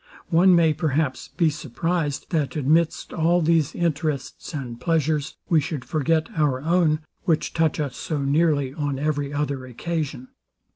One may, perhaps, be surprized. that amidst all these interests and pleasures, we should forget our own, which touch us so nearly on every other occasion.